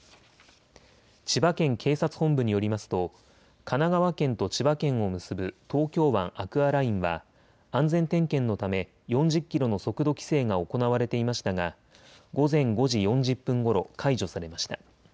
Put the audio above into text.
千葉県警察本部によりますと神奈川県と千葉県を結ぶ東京湾アクアラインは安全点検のため４０キロの速度規制が行われていましたが、午前５時４０分ごろ、解除されました。